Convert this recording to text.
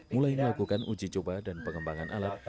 mulai melakukan uji coba dan pengembangan alat